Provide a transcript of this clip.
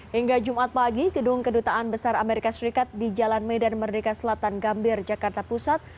hingga jumat pagi gedung kedutaan besar amerika serikat di jalan medan merdeka selatan gambir jakarta pusat